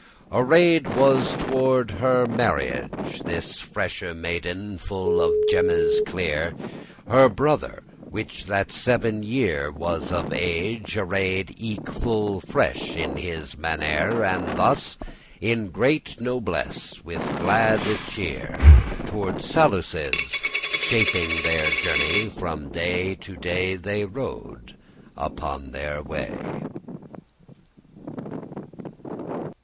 Arrayed was toward* her marriage *as if for This freshe maiden, full of gemmes clear; Her brother, which that seven year was of age, Arrayed eke full fresh in his mannere: And thus, in great nobless, and with glad cheer, Toward Saluces shaping their journey, From day to day they rode upon their way.